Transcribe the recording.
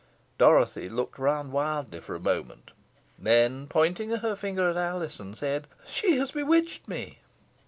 Dorothy looked round wildly for a moment, and then pointing her finger at Alizon, said "She has bewitched me."